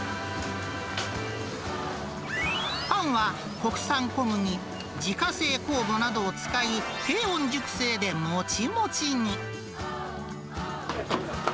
パンは国産小麦、自家製酵母などを使い、低温熟成でもちもちに。